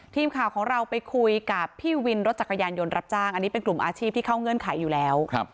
ทีมข่าวของเราไปคุยกับพี่วินรถจักรยานยนต์รับจ้างอันนี้เป็นกลุ่มอาชีพที่เข้าเงื่อนไขอยู่แล้ว